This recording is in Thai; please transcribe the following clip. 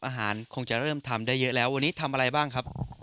คงจะเริ่มทำได้เยอะแล้ววันนี้ทำอะไรบ้างครับ